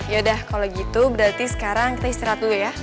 ya udah kalo gitu berarti sekarang kita istirahat dulu ya